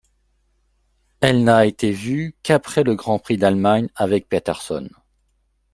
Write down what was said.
Elle n'a été vu qu'après le Grand Prix d'Allemagne avec Peterson.